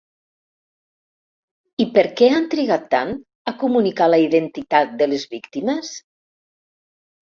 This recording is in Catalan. I per què han trigat tant, a comunicar la identitat de les víctimes?